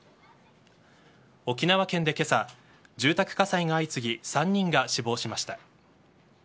沖縄県で今朝、住宅火災が相次ぎ３人が死亡しました。